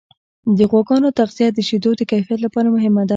د غواګانو تغذیه د شیدو د کیفیت لپاره مهمه ده.